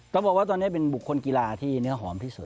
ต้องบอกว่าตอนนี้เป็นบุคคลกีฬาที่เนื้อหอมที่สุด